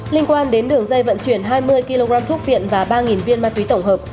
liên quan đến đường dây vận chuyển hai mươi kg thuốc viện và ba viên ma túy tổng hợp